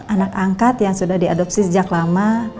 anak angkat yang sudah diadopsi sejak lama